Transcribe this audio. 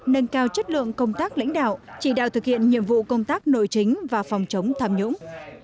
nâng cao chất lượng công tác lãnh đạo chỉ đạo thực hiện nhiệm vụ công tác nội chính và phòng chống tham nhũng